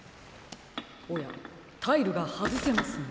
おやタイルがはずせますね。